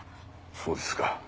そうですか。